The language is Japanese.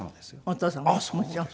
お父様もちろん。